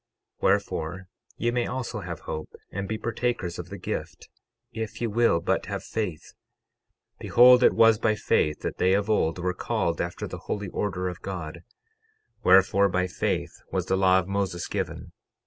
12:9 Wherefore, ye may also have hope, and be partakers of the gift, if ye will but have faith. 12:10 Behold it was by faith that they of old were called after the holy order of God. 12:11 Wherefore, by faith was the law of Moses given.